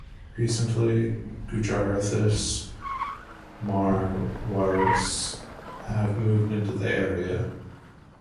Recently Gujarathis, Marwaris have moved into the area.